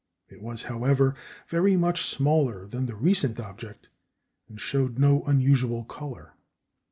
It was, however, very much smaller than the recent object, and showed no unusual colour.